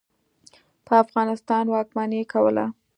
په افغانستان واکمني کوله.